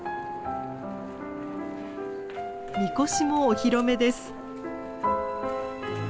神輿もお披露目です。